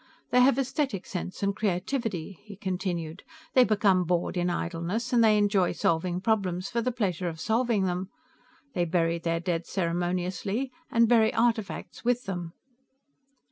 "They have aesthetic sense and creativity," he continued. "They become bored in idleness, and they enjoy solving problems for the pleasure of solving them. They bury their dead ceremoniously, and bury artifacts with them."